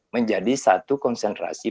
menjadi satu konsentrasi